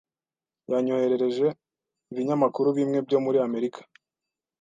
Yanyoherereje ibinyamakuru bimwe byo muri Amerika.